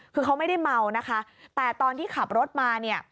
คือเขาไม่ได้เมานะคะแต่ตอนที่ขับรถมาเนี่ย